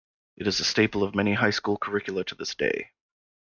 It is a staple of many high-school curricula to this day.